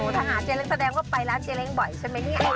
ถ้าหาเจเล้งแสดงว่าไปร้านเจเล้งบ่อยใช่ไหม